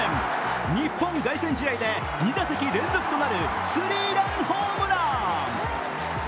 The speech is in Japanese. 日本凱旋試合で２打席連続となるスリーランホームラン。